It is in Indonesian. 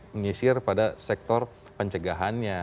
mengisir pada sektor pencegahannya